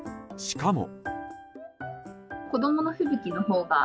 しかも。